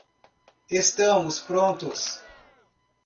Estamos prontos